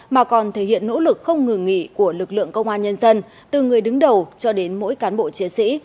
mà còn thể hiện nỗ lực không ngừng nghỉ của lực lượng công an nhân dân từ người đứng đầu cho đến mỗi cán bộ chiến sĩ